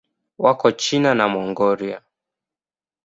Wako China na Mongolia.